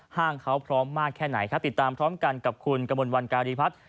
ห้างเขาพร้อมมากแค่ไหนครับติดตามพร้อมกันกับคุณกระมวลวันการีพัฒน์